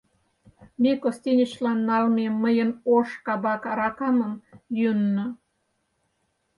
Ме костенечлан налме мыйын ош кабак аракамым йӱынна.